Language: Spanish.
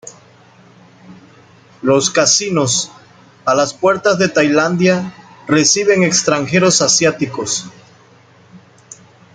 Los casinos, a las puertas de Tailandia, reciben extranjeros asiáticos.